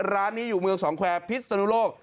ร้านนี้อยู่เมืองสองแควร์พิศนุโลก